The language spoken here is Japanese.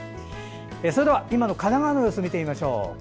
それでは今の神奈川の様子を見てみましょう。